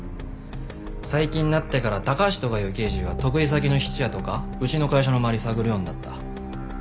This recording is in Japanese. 最近になってから高橋とかいう刑事が得意先の質屋とかうちの会社の周り探るようになった。